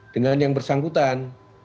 dengan yang bersangkutan